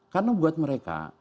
karena buat mereka